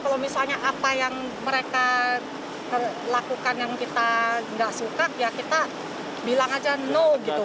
kalau misalnya apa yang mereka lakukan yang kita nggak suka ya kita bilang aja no gitu